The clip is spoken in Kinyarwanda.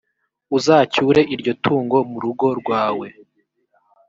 uzacyure iryo tungo mu rugo rwawe,